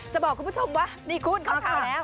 จะบอกคุณผู้ชมว่านี่คุณเข้าข่าวแล้ว